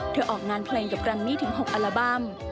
ออกงานเพลงกับแกรมมี่ถึง๖อัลบั้ม